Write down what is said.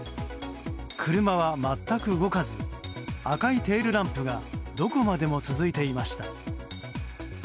車は全く動かず赤いテールランプがどこまでも続いていました。